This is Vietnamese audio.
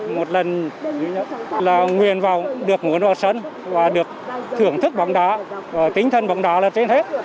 một lần là nguyền được muốn vào sân và được thưởng thức bóng đá tinh thần bóng đá là trên hết